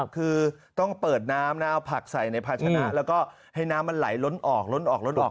คือต้องเปิดน้ำนะเอาผักใส่ในภาชนะแล้วก็ให้น้ำมันไหลล้นออกล้นออกล้นออก